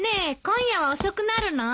今夜は遅くなるの？